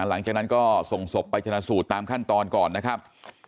หลังจากนั้นก็ส่งศพไปชนะสูตรตามขั้นตอนก่อนนะครับ